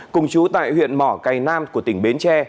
cùng chú tại huyện mỏ cầy nam của tỉnh bến tre